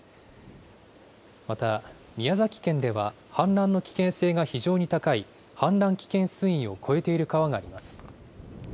また宮崎県では氾濫の危険性が非常に高い氾濫危険水位を超えている川があります。